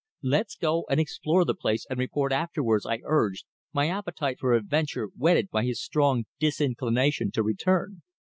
"Let's go and explore the place, and report afterwards," I urged, my appetite for adventure whetted by his strong disinclination to return.